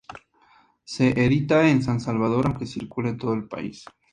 Se edita en San Salvador, aunque circula en todo el país.